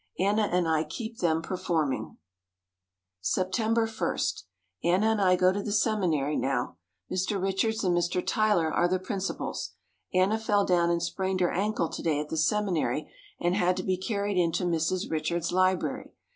Anna and I keep them performing. September 1. Anna and I go to the seminary now. Mr. Richards and Mr. Tyler are the principals. Anna fell down and sprained her ankle to day at the seminary, and had to be carried into Mrs. Richards' library.